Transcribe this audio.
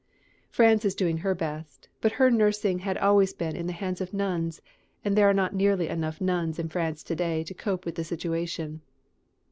France is doing her best, but her nursing had always been in the hands of nuns, and there are not nearly enough nuns in France to day to cope with the situation.